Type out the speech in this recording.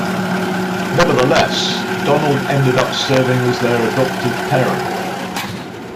Nevertheless, Donald ended up serving as their adoptive parent.